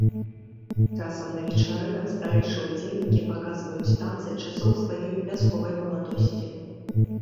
Часам на вечарынах старэйшыя ўдзельнікі паказваюць танцы часоў сваёй вясковай маладосці.